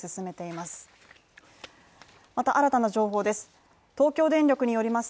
また新たな情報です。